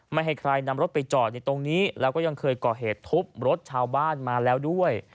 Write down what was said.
ให้ใครนำรถไปจอดในตรงนี้แล้วก็ยังเคยก่อเหตุทุบรถชาวบ้านมาแล้วด้วย